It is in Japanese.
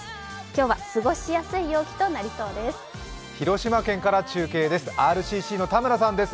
今日は過ごしやすい陽気となりそうです。